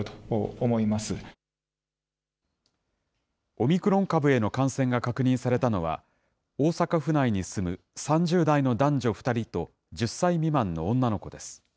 オミクロン株への感染が確認されたのは、大阪府内に住む３０代の男女２人と、１０歳未満の女の子です。